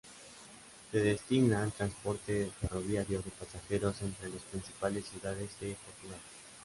Se destina al transporte ferroviario de pasajeros entre las principales ciudades de Portugal.